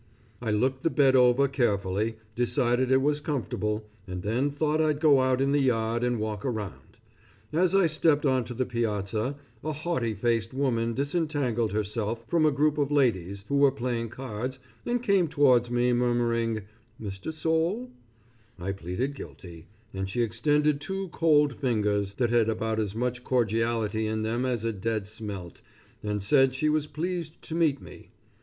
I looked the bed over carefully, decided it was comfortable, and then thought I'd go out in the yard and walk around. As I stepped on to the piazza, a haughty faced woman disentangled herself from a group of ladies who were playing cards, and came towards me murmuring, Mr. Soule? I pleaded guilty, and she extended two cold fingers, that had about as much cordiality in them as a dead smelt, and said she was pleased to meet me.